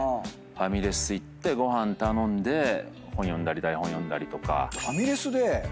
ファミレス行ってご飯頼んで本読んだり台本読んだりとか。